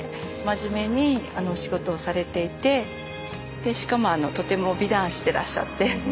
でしかもとても美男子でらっしゃって。